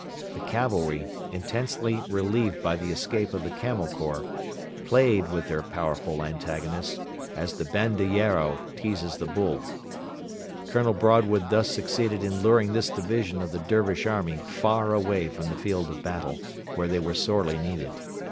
The cavalry, intensely relieved by the escape of the Camel Corps, played with their powerful antagonist, as the banderillo teases the bull. Colonel Broadwood thus succeeded in luring this division of the Dervish army far away from the field of battle, where they were sorely needed.